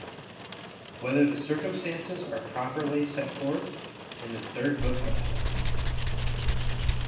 3] Whether the Circumstances Are Properly Set Forth in the Third Book of Ethics?